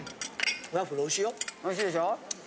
おいしいでしょ？